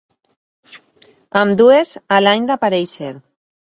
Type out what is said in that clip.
Ambdues a l'any d'aparèixer.